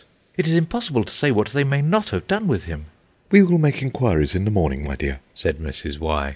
"it is impossible to say what they may not have done with him." "We will make enquiries in the morning, my dear," said Mrs. Y.